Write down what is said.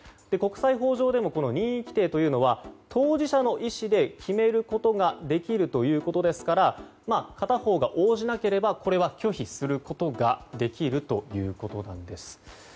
国際法上でも任意規定というのは当事者の意思で決めることができるということですから片方が応じなければこれは拒否することができるということなんです。